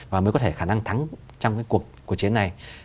và mới có thể khả năng thắng trong cái cuộc chiến này